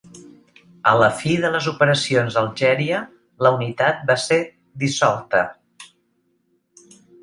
A la fi de les operacions a Algèria, la unitat va ser dissolta.